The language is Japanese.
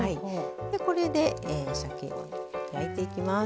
これで、さけを焼いていきます。